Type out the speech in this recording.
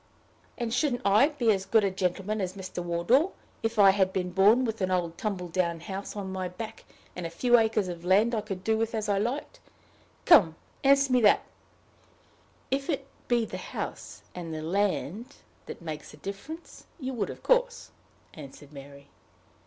"And shouldn't I be as good a gentleman as Mr. Wardour, if I had been born with an old tumble down house on my back, and a few acres of land I could do with as I liked? Come, answer me that." "If it be the house and the land that makes the difference, you would, of course," answered Mary.